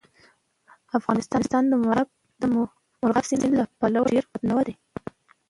افغانستان د مورغاب سیند له پلوه ډېر متنوع دی.